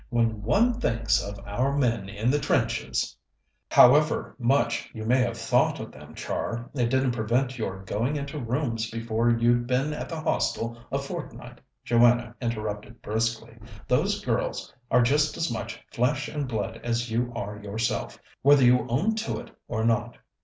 When one thinks of our men in the trenches " "However much you may have thought of them, Char, it didn't prevent your going into rooms before you'd been at the Hostel a fortnight," Joanna interrupted briskly. "Those girls are just as much flesh and blood as you are yourself, whether you own to it or not.